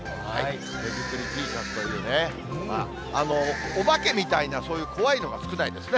手作りＴシャツというね、お化けみたいな、そういう怖いのが少ないですね。